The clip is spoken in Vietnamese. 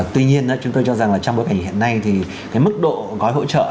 tuy nhiên chúng tôi cho rằng là trong bối cảnh hiện nay thì cái mức độ gói hỗ trợ